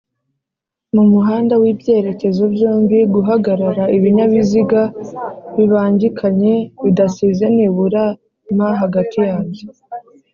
mumuhanda wibyerekezo byombi guhagarara Ibinyabiziga bibangikanye bidasize nibura m hagati yabyo